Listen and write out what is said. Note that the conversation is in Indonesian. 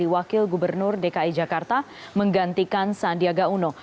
wakil gubernur dki jakarta menggantikan sandiaga uno